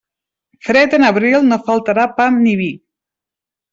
Fred en abril, no faltarà pa ni vi.